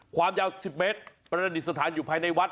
ความยาว๑๐เมตรประดิษฐานอยู่ภายในวัด